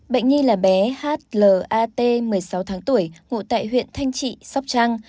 bệnh nhi là bé hlat một mươi sáu tháng tuổi ngụ tại huyện thanh trị sóc trăng